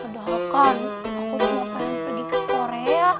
kedoakan aku cuma pengen pergi ke korea